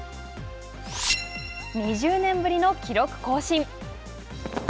２０年ぶりの記録更新。